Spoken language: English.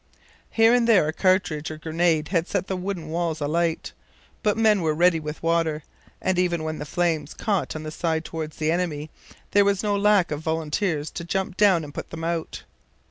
Here and there a cartridge or grenade had set the wooden walls alight. But men were ready with water; and even when the flames caught on the side towards the enemy there was no lack of volunteers to jump down and put them out.